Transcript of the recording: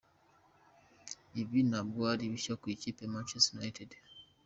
Ibi ntabwo ari bishya ku ikipe ya Manchester United.